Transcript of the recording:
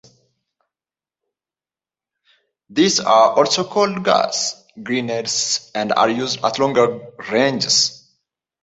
These are also called gas grenades, and are used at longer ranges.